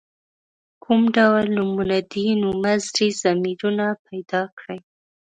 کوم ډول نومونه دي نومځري ضمیرونه پیداکړي.